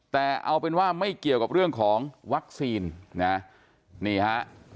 แต่เอาเป็นว่าไม่เกี่ยวกับเรื่องของวัคซีนนะนี่ฮะ